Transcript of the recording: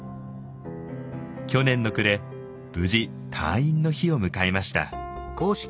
去年の暮れ無事退院の日を迎えました。